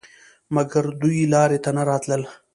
مګر دوی لارې ته نه راتلل.